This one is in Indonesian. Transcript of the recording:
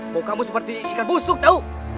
mau kamu seperti ikan busuk tahu